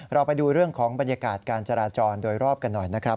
เราไปดูเรื่องของบรรยากาศการจราจรโดยรอบกันหน่อยนะครับ